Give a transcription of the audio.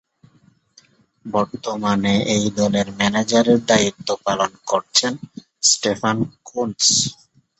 বর্তমানে এই দলের ম্যানেজারের দায়িত্ব পালন করছেন স্টেফান কুনৎস।